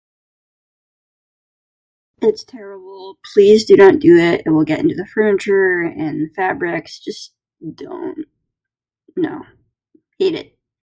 It's terrible. Please do not do it. It will get into the furniture and fabrics... just don't, no, eat it.